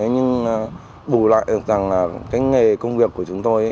nhưng bù lại được rằng là cái nghề công việc của chúng tôi